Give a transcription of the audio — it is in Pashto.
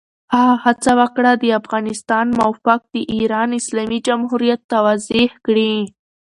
هغه هڅه وکړه، د افغانستان موقف د ایران اسلامي جمهوریت ته واضح کړي.